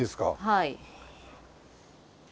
はい。